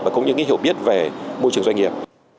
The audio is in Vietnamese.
và cũng như hiểu biết về môi trường doanh nghiệp